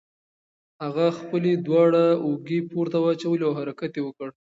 هغه خپلې دواړه اوږې پورته واچولې او حرکت یې وکړ.